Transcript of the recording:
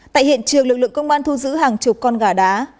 tại hiện trường lực lượng công an thu giữ hàng chục con gà đá